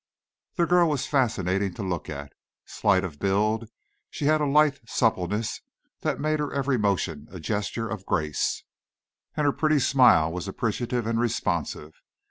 The girl was fascinating to look at. Slight of build, she had a lithe suppleness that made her every motion a gesture of grace, and her pretty smile was appreciative and responsive.